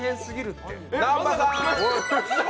南波さん！